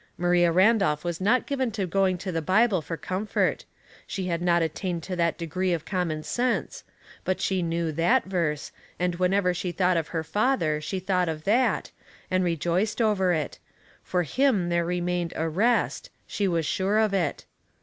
Maria Randolph was not given to going to the Bible for comfort; she had not attained to that degree of common sense ; but she knew that verse, and whenever she thought of her father she thought of that, and rejoiced over it; for him there remained a rest^ she was sure of it.